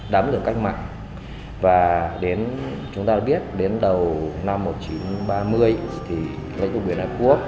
các tia lửa cách mạng và đến chúng ta đã biết đến đầu năm một nghìn chín trăm ba mươi thì lễ cục việt nam quốc